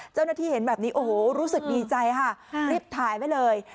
เจ้าหน้าที่เห็นแบบนี้โอ้โหรู้สึกดีใจค่ะรีบถ่ายไว้เลย